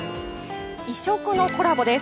異色のコラボです。